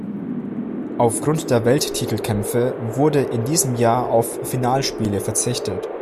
Aufgrund der Welttitelkämpfe wurde in diesem Jahr auf Finalspiele verzichtet.